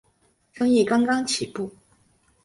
生意刚刚起步